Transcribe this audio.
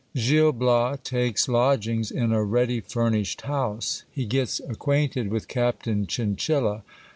— Gil Bias takes lodgings in a ready furnished house. He gets ac quainted with Captain Chinchilla.